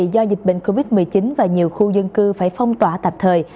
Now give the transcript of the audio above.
do dịch bệnh covid một mươi chín và nhiều khu dân cư phải phong tỏa tạm thời